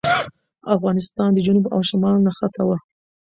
افغانستان د جنوب او شمال نښته وه.